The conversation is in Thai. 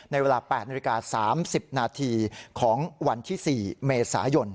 ในเวลา๘นาฬิกา๓๐นาทีของวันที่๔เมษายน